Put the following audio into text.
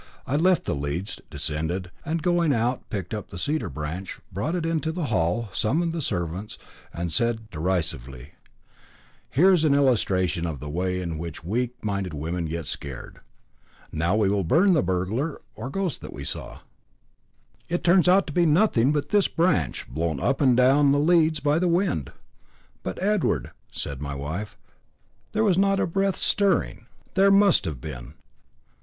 I left the leads, descended, and going out picked up the cedar branch, brought it into the hall, summoned the servants, and said derisively: "Here is an illustration of the way in which weak minded women get scared. Now we will burn the burglar or ghost that we saw. It turns out to be nothing but this branch, blown up and down the leads by the wind." "But, Edward," said my wife, "there was not a breath stirring." "There must have been.